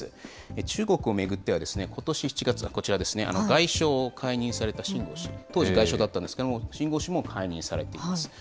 中国を巡っては、ことし７月、こちらですね、外相を解任された秦剛氏、当時外相だったんですけれども、秦剛氏も解任されています。